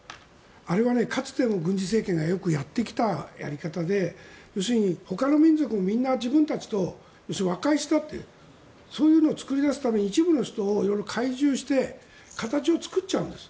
あれは、かつての軍事政権がよくやってきたやり方で要するにほかの民族もみんな自分たちと和解したってそういうのを作り出すために一部の人を懐柔して形を作っちゃうんです。